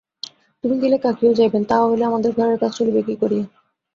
তুমি গেলে কাকীও যাইবেন, তাহা হইলে আমাদের ঘরের কাজ চলিবে কী করিয়া।